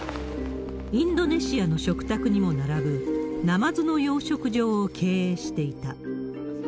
インドネシアの食卓にも並ぶナマズの養殖場を経営していた。